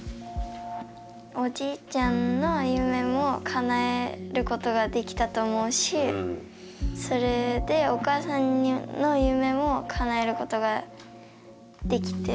おじいちゃんの夢もかなえることができたと思うしそれでお母さんの夢もかなえることができてる？